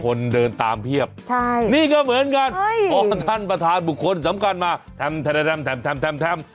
คนเดินตามเพียบใช่นี่ก็เหมือนกันพอท่านประธานบุคคลสำคัญมาแทม